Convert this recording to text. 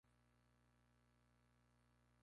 Predomina el sector primario, la agricultura de secano.